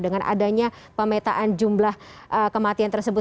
dengan adanya pemetaan jumlah kematian tersebut